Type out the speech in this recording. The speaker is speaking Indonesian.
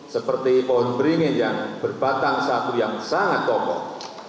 seperti pohon beringin yang berbatang satu yang sangat kokoh